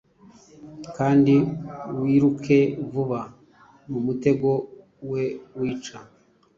Kandi wiruke vuba mumutego we wica